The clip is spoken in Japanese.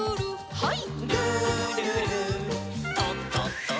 はい。